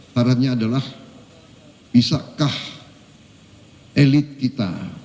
sarannya adalah bisakah elit kita